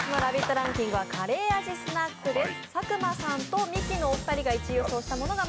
ランキングはカレー味スナックです。